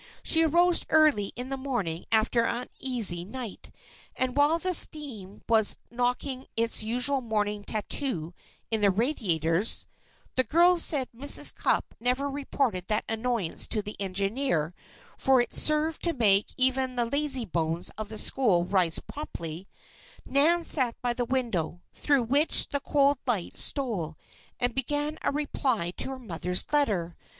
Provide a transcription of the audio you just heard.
She arose early in the morning, after an uneasy night, and while the steam was knocking its usual morning tattoo in the radiators (the girls said Mrs. Cupp never reported that annoyance to the engineer, for it served to make even the "lazybones" of the school rise promptly) Nan sat by the window, through which the cold light stole, and began a reply to her mother's letter.